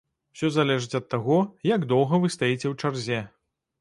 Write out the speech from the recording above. Усё залежыць ад таго, як доўга вы стаіце ў чарзе.